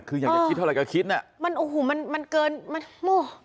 คืออยากจะคิดเท่าไรก็คิดน่ะมันโอ้โหมันมันเกินมันโม่